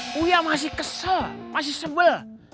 puya masih kesel masih sebel